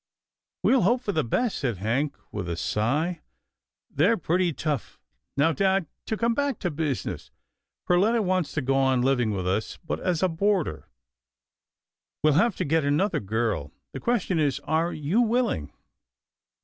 "We'll hope for the best," said Hank with a sigh —" they're pretty tough — now dad, to come back to business. Perletta wants to go on living with us, but as a boarder. We'll have to get another girl. The question is, are you willing.